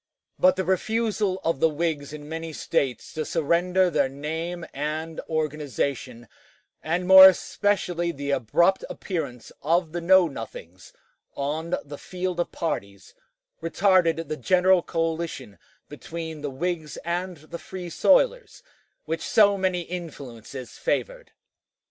But the refusal of the Whigs in many States to surrender their name and organization, and more especially the abrupt appearance of the Know Nothings on the field of parties, retarded the general coalition between the Whigs and the Free soilers which so many influences favored.